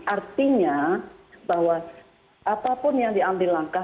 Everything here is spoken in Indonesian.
artinya bahwa apapun yang diambil langkah